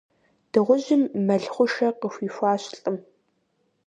Дыгъужьым мэл хъушэ къыхуихуащ лӀым.